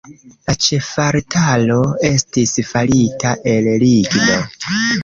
La ĉefaltaro estis farita el ligno.